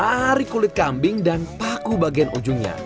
tarik kulit kambing dan paku bagian ujungnya